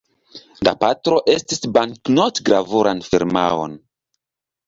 La patro estris banknot-gravuran firmaon.